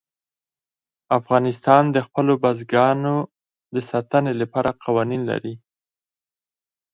افغانستان د خپلو بزګانو د ساتنې لپاره قوانین لري.